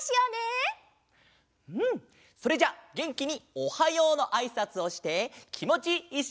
それじゃあげんきに「おはよう！」のあいさつをしてきもちいい